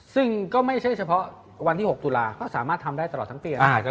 ซึ่งก็ไม่ใช่เฉพาะวันที่๖ตุลาก็สามารถทำได้ตลอดทั้งปี